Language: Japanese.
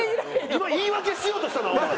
今言い訳しようとしたなお前。